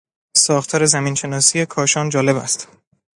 ساختار زمین شناسی کاشان جالب است.